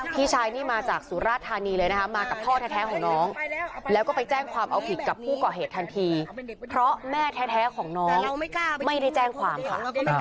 พี่ชายนี่มาจากสุราธานีเลยนะคะมากับพ่อแท้ของน้องแล้วก็ไปแจ้งความเอาผิดกับผู้ก่อเหตุทันทีเพราะแม่แท้ของน้องไม่ได้แจ้งความค่ะ